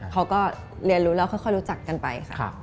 เขาก็เรียนรู้แล้วค่อยรู้จักกันไปค่ะ